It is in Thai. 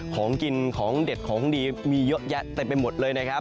ของกินของเด็ดของดีมีเยอะแยะเต็มไปหมดเลยนะครับ